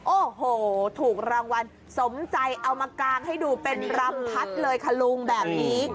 โอ้โหถูกรางวัลสมใจเอามากางให้ดูเป็นรำพัดเลยค่ะลุงแบบนี้